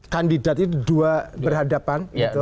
kandidat itu dua berhadapan